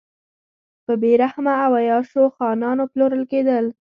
په بې رحمه او عیاشو خانانو پلورل کېدل.